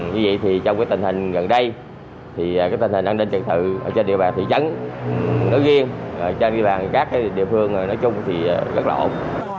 như vậy thì trong tình hình gần đây tình hình an ninh trật tự trên địa bàn thị trấn nói riêng trên địa bàn các địa phương nói chung thì rất là ổn